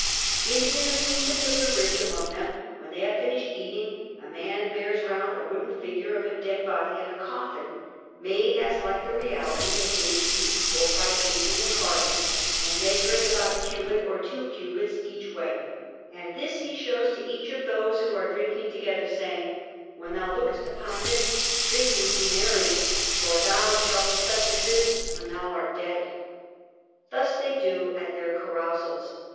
In the entertainments of the rich among them, when they have finished eating, a man bears round a wooden figure of a dead body in a coffin, made as like the reality as may be both by painting and carving, and measuring about a cubit or two cubits each way; and this he shows to each of those who are drinking together, saying: "When thou lookest upon this, drink and be merry, for thou shalt be such as this when thou art dead." Thus they do at their carousals.